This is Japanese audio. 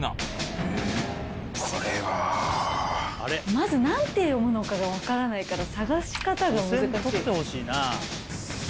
まず何て読むのかが分からないから探し方が難しい。